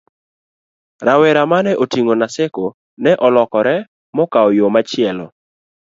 rowera mane oting'o Naseko ne olokore mokawo yo machielo